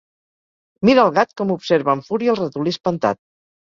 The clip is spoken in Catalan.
Mira el gat com observa amb fúria el ratolí espantat.